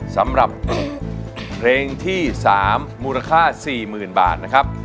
สำหรับเพลงที่๓มูลค่า๔๐๐๐บาทนะครับ